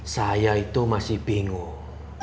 saya itu masih bingung